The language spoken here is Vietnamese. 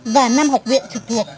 và năm học viện trực tuyệt